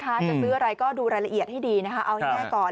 จะซื้ออะไรก็ดูละเอียดใช่ไหมฯเอาให้แน่ก่อน